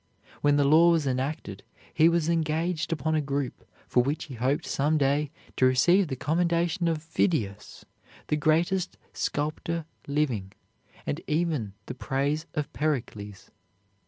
When the law was enacted he was engaged upon a group for which he hoped some day to receive the commendation of Phidias, the greatest sculptor living, and even the praise of Pericles.